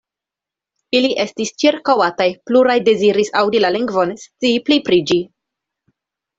Ili estis ĉirkaŭataj, pluraj deziris aŭdi la lingvon, scii pli pri ĝi.